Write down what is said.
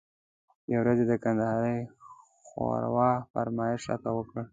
یوه ورځ یې د کندارۍ ښوروا فرمایش راته وکړ.